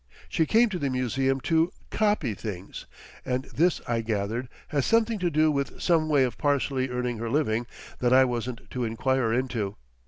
She came to the museum to "copy things," and this, I gathered, had something to do with some way of partially earning her living that I wasn't to inquire into.